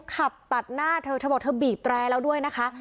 ขับตัดหน้าเธอเธอบอกเธอบีบแตรแล้วด้วยนะคะ